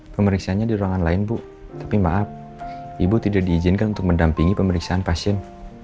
pemeriksaannya di ruangan lain bu tapi maaf ibu tidak diizinkan untuk mendampingi pemeriksaan pasien